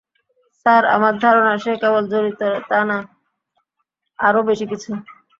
Sir, আমার ধারণা সে কেবল জড়িত তা না, আরও বেশি কিছু।